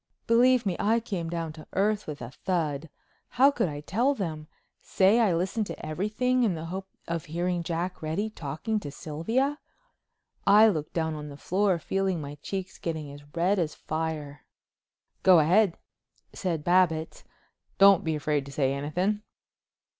Believe me I came down to earth with a thud. How could I tell them? Say I listened to everything in the hope of hearing Jack Reddy talking to Sylvia. I looked down on the floor, feeling my cheeks getting as red as fire. "Go ahead," said Babbitts. "Don't be afraid to say anything."